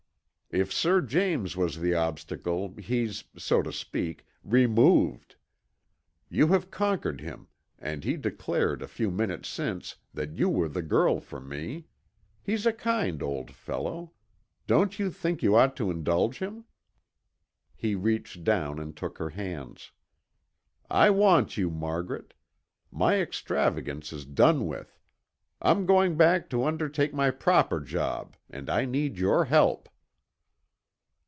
If Sir James was the obstacle, he's, so to speak, removed. You have conquered him and he declared a few minutes since you were the girl for me. He's a kind old fellow. Don't you think you ought to indulge him?" He reached down and took her hands. "I want you, Margaret. My extravagance is done with. I'm going back to undertake my proper job and I need your help."